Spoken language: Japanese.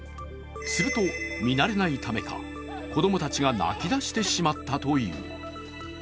すると、見慣れないためか、子供たちが泣き出してしまったという。